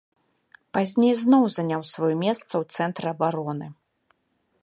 Пазней зноў заняў сваё месца ў цэнтры абароны.